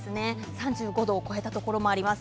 ３５度を超えたところもあります。